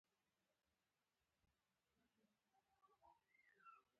احمده! د ځان لپاره څا مه کينه.